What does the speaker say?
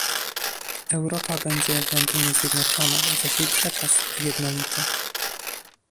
Europa będzie w Londynie zjednoczona, zaś jej przekaz - jednolity